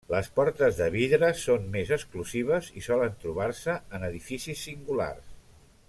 Les portes de vidre són més exclusives i solen trobar-se en edificis singulars.